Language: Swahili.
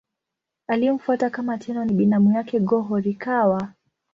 Aliyemfuata kama Tenno ni binamu yake Go-Horikawa.